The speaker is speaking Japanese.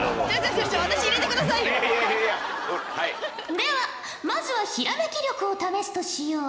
ではまずはひらめき力を試すとしよう。